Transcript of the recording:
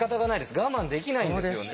我慢できないんですよね。